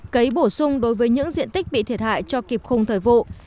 cấy bổ sung đối với những diện tích bị thiệt hại cho kịp khung thời vụ